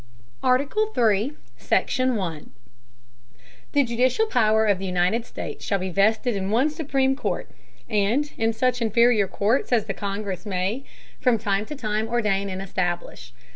ARTICLE III. SECTION. 1. The judicial Power of the United States, shall be vested in one supreme Court, and in such inferior Courts as the Congress may from time to time ordain and establish.